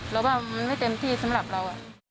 เราว่ามันไม่เต็มที่สำหรับเรา